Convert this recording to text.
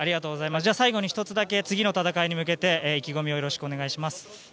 最後に１つだけ次の戦いに向けて意気込みをよろしくお願いします。